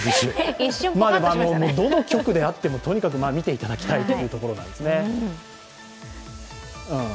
どの局であっても、とにかく見ていただきたいというところですね。